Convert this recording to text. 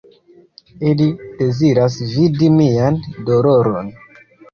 Ili deziras vidi mian doloron.